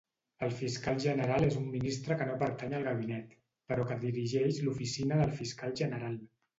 El fiscal general és un ministre que no pertany al gabinet, però que dirigeix l'Oficina del Fiscal General.